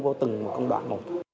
vô từng một con đoạn một